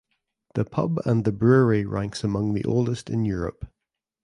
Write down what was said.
The pub and the brewery ranks among the oldest in Europe.